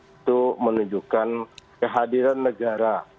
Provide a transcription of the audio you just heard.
itu menunjukkan kehadiran negara